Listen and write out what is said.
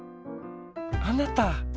あなた！